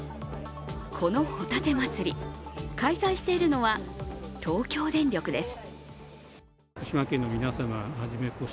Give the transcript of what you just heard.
このホタテ祭り、開催しているのは東京電力です。